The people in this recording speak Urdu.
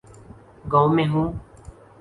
گاؤں میں ہوں۔